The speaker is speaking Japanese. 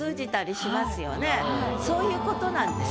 そういうことなんです。